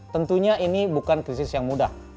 tentunya ini bukan krisis yang mudah